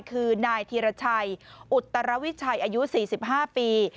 คือนายธีรชัยอุตรวิชัยอายุ๔๕ปี